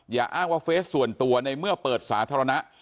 อย่าอ้างว่าเฟสส่วนตัวในเมื่อเปิดสาธารณะ